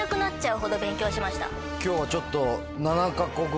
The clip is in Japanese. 今日はちょっと。